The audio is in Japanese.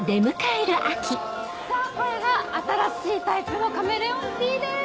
これが新しいタイプのカメレオンティーです！